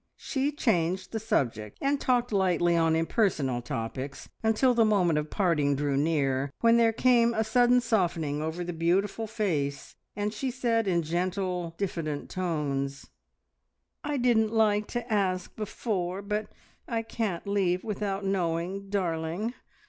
She changed the subject, and talked lightly on impersonal topics until the moment of parting drew near, when there came a sudden softening over the beautiful face, and she said in gentle, diffident tones "I didn't like to ask before, but I can't leave without knowing, darling.